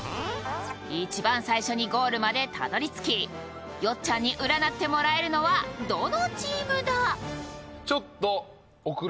一番最初にゴールまでたどり着きよっちゃんに占ってもらえるのはどのチームだ！？